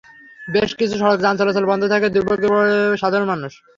বেশ কিছু সড়কে যান চলাচল বন্ধ থাকায় দুর্ভোগে পড়ে সাধারণ মানুষ।